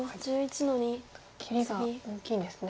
切りが大きいんですね。